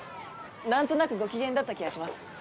なんとなくご機嫌だった気がします。